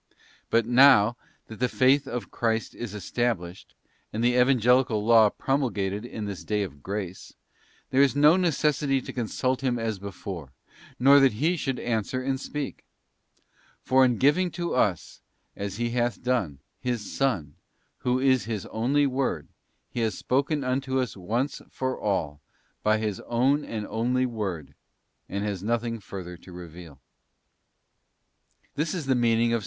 But now that the Faith of Christ is established, and the evangelical Law promulgated in this day of grace, there is Pals, KEX, 1,2, + Jos. ix. 14, EE eeEeeeeeeeEE———————E——E——= el a THE WORD WAS MADE FLESH. 157 no necessity to consult Him as before, nor that He should answer and speak. For in giving to us, as He hath done, His Son, who is His only Word, He has spoken unto us once for all by His own and only Word, and has nothing further to reveal. This is the meaning of S.